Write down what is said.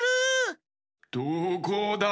・どこだ？